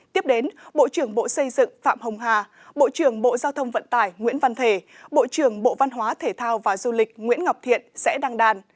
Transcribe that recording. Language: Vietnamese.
tiếp đến bộ trưởng bộ xây dựng phạm hồng hà bộ trưởng bộ giao thông vận tải nguyễn văn thể bộ trưởng bộ văn hóa thể thao và du lịch nguyễn ngọc thiện sẽ đăng đàn